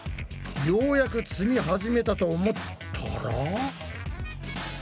ようやく積み始めたと思ったら。